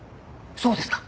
そうですか。